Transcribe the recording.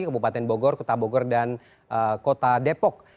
kabupaten bogor kota bogor dan kota depok